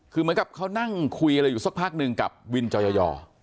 คือเหมือนกับเขานั่งคุยอะไรอยู่สักพักหนึ่งกับวินจอยอ